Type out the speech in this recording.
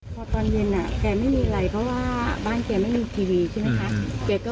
พอตอนเย็นแกไม่มีอะไรเพราะว่าบ้านแกไม่มีทีวีใช่ไหมคะ